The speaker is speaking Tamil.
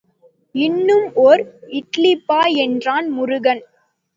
இன்னும் ஒரு இட்லிப்பா என்றான் முருகன்!